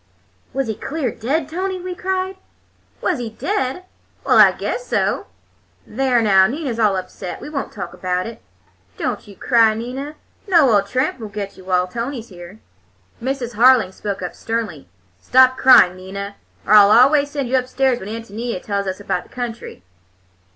"Was he clear dead, Tony?" we cried. "Was he dead? Well, I guess so! There, now, Nina's all upset. We won't talk about it. Don't you cry, Nina. No old tramp won't get you while Tony's here." Mrs. Harling spoke up sternly. "Stop crying, Nina, or I'll always send you upstairs when Ántonia tells us about the country.